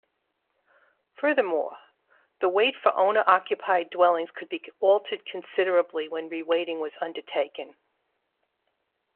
Furthermore, the weight for owner-occupied dwellings could be altered considerably when reweighting was undertaken.